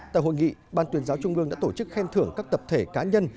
tại hội nghị ban tuyên giáo trung ương đã tổ chức khen thưởng các tập thể cá nhân